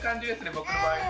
僕の場合。